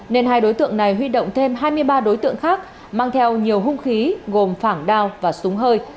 nên hai đối tượng này huy động thêm hai mươi ba đối tượng khác mang theo nhiều hung khí gồm phảng đao và súng hơi